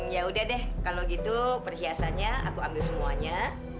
yaudah deh kalau gitu perhiasannya aku ambil semuanya